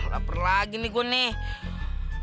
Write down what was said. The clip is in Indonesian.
laper lagi nih gua nih